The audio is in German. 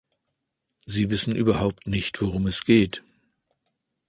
Sie wissen überhaupt nicht, worum es geht.